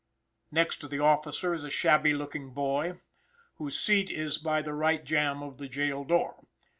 Next to the officer is a shabby looking boy, whose seat is by the right jamb of the jail door.